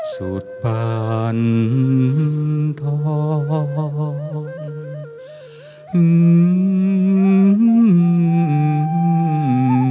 สุดบันทองหื้มหื้มหื้มหื้ม